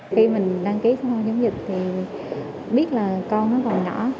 khi mình đăng ký xong chống dịch thì biết là con nó còn nhỏ